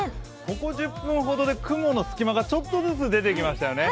ここ１０分ほどで雲の隙間がちょっとずつ出てきましたよね。